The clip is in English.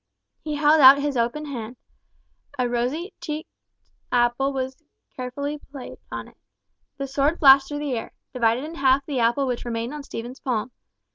He held out his open hand, a rosy checked apple was carefully laid on it. The sword flashed through the air—divided in half the apple which remained on Stephen's palm.